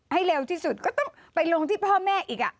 ให้เร็วที่สุดก็ต้องไปลงที่พ่อแม่อีก